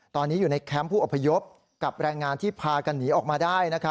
ตอนนี้อยู่ในแคมป์ผู้อพยพกับแรงงานที่พากันหนีออกมาได้